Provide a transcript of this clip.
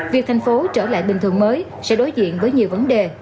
việc thành phố trở lại bình thường mới sẽ đối diện với nhiều vấn đề